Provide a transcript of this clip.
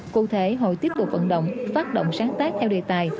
cụ thể hội tiếp tục vận động phát động sáng tác theo đề tài